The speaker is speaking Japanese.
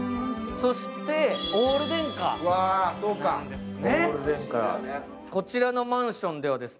そしてオール電化なんですね。